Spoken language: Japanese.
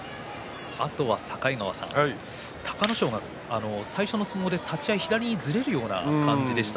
あとは境川さん隆の勝が最初の立ち合いで左にずれるような感じでした。